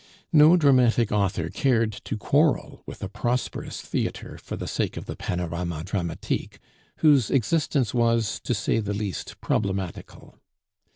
No dramatic author cared to quarrel with a prosperous theatre for the sake of the Panorama Dramatique, whose existence was, to say the least, problematical.